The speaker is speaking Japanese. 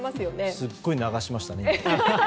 すごい流しましたね。